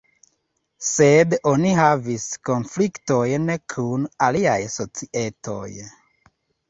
Sed oni havis konfliktojn kun aliaj societoj.